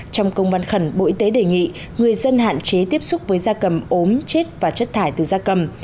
trong công văn khẩn bộ y tế đề nghị người dân hạn chế tiếp xúc với da cầm ốm chết và chất thải từ da cầm